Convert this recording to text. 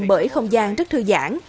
bởi không gian rất thư giãn